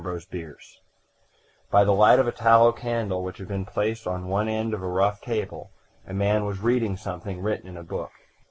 Putnam's Sons I By THE light of a tallow candle, which had been placed on one end of a rough table, a man was reading something written in a book.